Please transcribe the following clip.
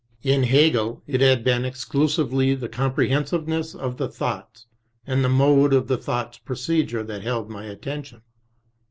In Hegel, it had been exclusively the comprehensiveness of the thoughts and the mode of the thought's procedure that held my attention.